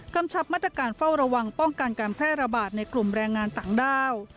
ชับมาตรการเฝ้าระวังป้องกันการแพร่ระบาดในกลุ่มแรงงานต่างด้าว